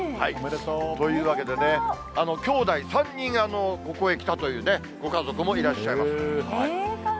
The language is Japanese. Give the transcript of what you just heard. というわけでね、きょうだい３人ここへ来たというご家族もいらっしゃいます。